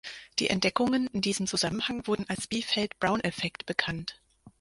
Die Entdeckungen in diesem Zusammenhang wurden als Biefeld-Brown-Effekt bekannt.